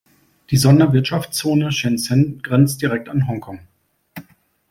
Die Sonderwirtschaftszone Shenzhen grenzt direkt an Hongkong.